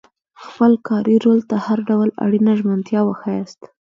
خپل کاري رول ته هر ډول اړینه ژمنتیا وښایاست.